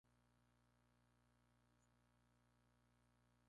El Hogar Digital, incorpora un sentido más amplio que la domótica.